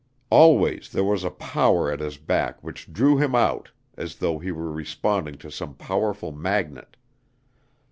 Always there was a power at his back which drew him out as though he were responding to some powerful magnet.